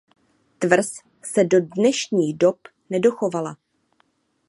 Tvrz se do dnešních dob nedochovala.